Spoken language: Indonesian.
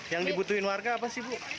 yang dibutuhin warga apa sih bu